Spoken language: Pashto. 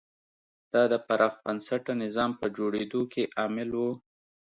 دا د پراخ بنسټه نظام په جوړېدو کې عامل و.